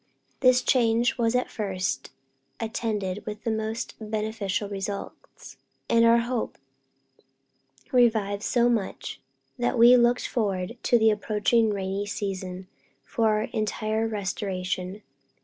This change was at first attended with the most beneficial results, and our hopes revived so much, that we looked forward to the approaching rainy season for entire restoration.